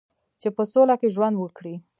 چې په سوله کې ژوند وکړي.